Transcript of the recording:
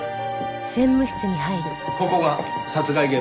ここが殺害現場ですね？